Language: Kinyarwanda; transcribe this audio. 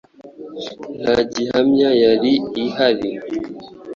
Nta gihamya yari ihari